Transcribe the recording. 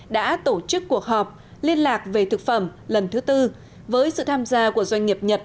đã tổ chức cuộc họp liên lạc về thực phẩm lần thứ tư với sự tham gia của doanh nghiệp nhật